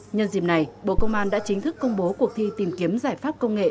nhân dịp này bộ công an đã chính thức công bố cuộc thi tìm kiếm giải pháp công nghệ